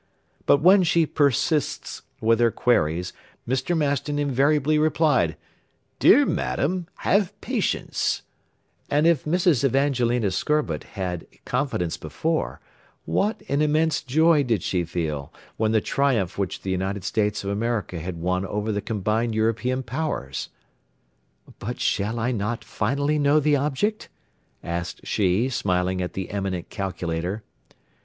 But when she persists with her queries Mr. Maston invariably replied: "Dear madame, have patience," And if Mrs. Evangelina Scorbitt had confidence before, what an immense joy did she feel when the triumph which the United States of America had won over the combined European powers. "But shall I not finally know the object?" asked she, smiling at the eminent calculator.